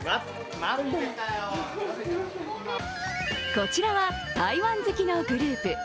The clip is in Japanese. こちらは台湾好きのグループ。